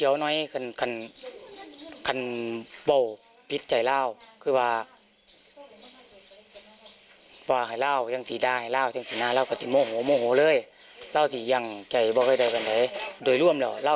ว่าผู้ไผิดปลาก๋องเขา